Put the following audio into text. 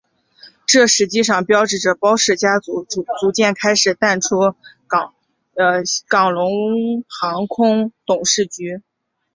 这实际上标志着包氏家族逐渐开始淡出港龙航空董事局。